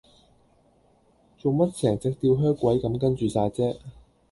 做乜成隻吊靴鬼咁跟住哂啫